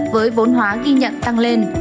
với vốn hóa ghi nhận tăng lên